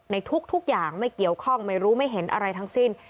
ในทุกอย่างไม่เกี่ยวข้องไม่รู้ไม่เห็นอะไรทั้งสิ้น